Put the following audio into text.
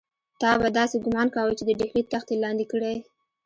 تا به داسې ګومان کاوه چې د ډهلي تخت یې لاندې کړی.